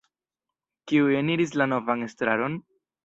Kiuj eniris la novan estraron?